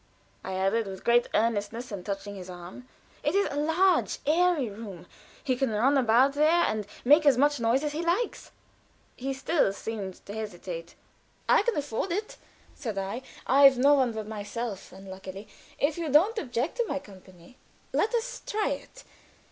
I added, with great earnestness and touching his arm. "It is a large airy room; he can run about there, and make as much noise as he likes." He still seemed to hesitate. "I can afford it," said I. "I've no one but myself, unluckily. If you don't object to my company, let us try it.